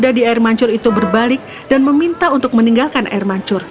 di air mancur itu berbalik dan meminta untuk meninggalkan air mancur